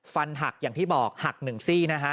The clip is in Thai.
ฟันหักอย่างที่บอกหักหนึ่งซี่นะฮะ